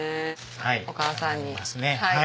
お義母さんに。